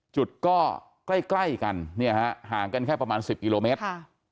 จุดก็ใกล้กันเนี่ยฮะห่างกันแค่ประมาณ๑๐กิโลเมตร